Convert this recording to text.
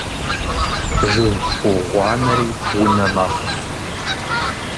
Жыг ку гъуанэри унэ мэхъу.